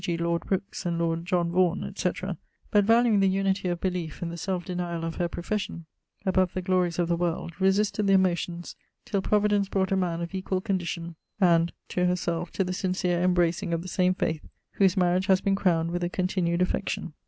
g. lord Brookes and lord J , etc.; but valueing the unity of beliefe and the selfe deniall of her profession above the glories of the world, resisted their motions till Providence brought a man of equall condicion and ⦻ to herself to the syncere embracing of the same fayth, whose mariage haz been crowned with a continued affection.